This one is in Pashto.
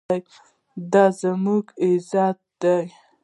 دا زموږ عزت دی؟